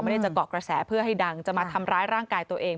จะเกาะกระแสเพื่อให้ดังจะมาทำร้ายร่างกายตัวเอง